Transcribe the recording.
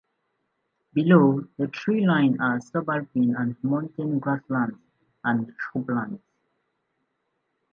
Below the tree line are subalpine and montane grasslands and shrublands.